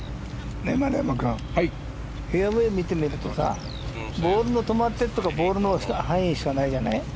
フェアウェーを見てみるとボールの止まっているところはボールの範囲しかないじゃない？